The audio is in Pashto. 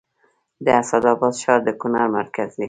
د اسعد اباد ښار د کونړ مرکز دی